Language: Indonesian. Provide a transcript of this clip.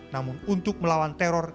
namun untuk melawan teror